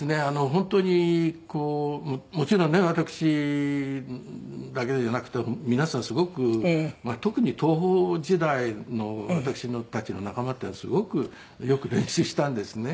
本当にこうもちろんね私だけじゃなくて皆さんすごくまあ特に桐朋時代の私たちの仲間っていうのはすごくよく練習したんですね。